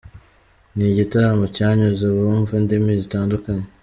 Ni igitaramo cyanyuze abumva indimi zitandukanye.